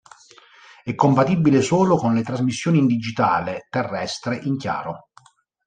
È compatibile solo con le trasmissioni in digitale terrestre in chiaro.